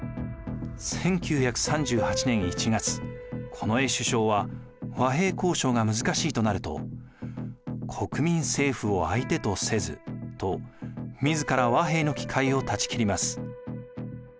近衛首相は和平交渉が難しいとなると「国民政府を対手とせず」と自ら和平の機会を断ち切ります。